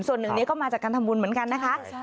ส่วนนี้ก็มาจากการทำบุญเหมือนกันนะคะใช่